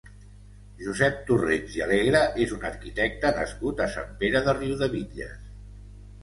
Josep Torrents i Alegre és un arquitecte nascut a Sant Pere de Riudebitlles.